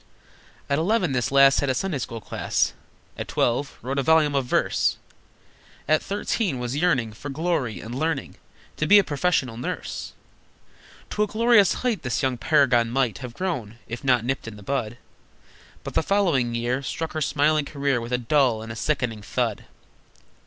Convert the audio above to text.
At eleven this lass Had a Sunday school class, At twelve wrote a volume of verse, At thirteen was yearning For glory, and learning To be a professional nurse. To a glorious height The young paragon might Have grown, if not nipped in the bud, But the following year Struck her smiling career With a dull and a sickening thud!